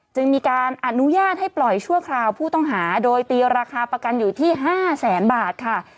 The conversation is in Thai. จึงมีการอนุญาตให้ปล่อยชั่วคราวผู้ต้องหาโดยตีราคาประกันอยู่ที่๕แสนบาทค่ะ